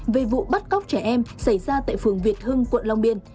về vụ bắt cóc trẻ em xảy ra tại phường việt hưng quận long biên